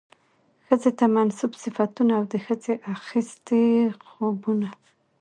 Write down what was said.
ښځې ته منسوب صفتونه او د ښځې اخىستي خوىونه